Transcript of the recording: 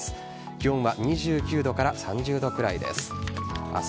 気温は２９度から３０度くらいです。